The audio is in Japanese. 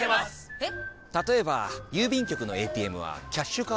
えっ⁉